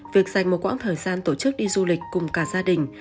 việc dành một quãng thời gian tổ chức đi du lịch cùng cả gia đình